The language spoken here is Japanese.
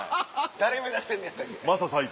誰目指してんのやったっけ？